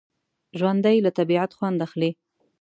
ژوندي له طبعیت خوند اخلي